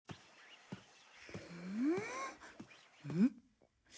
うん？